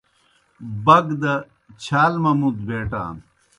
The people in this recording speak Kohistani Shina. بک دہ چھال ممُوت بیٹان۔